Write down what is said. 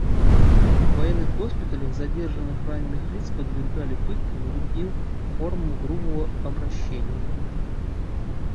В военных госпиталях задержанных раненых лиц подвергали пыткам и другим формам грубого обращения.